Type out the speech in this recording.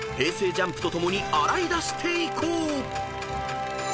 ＪＵＭＰと共に洗い出していこう！］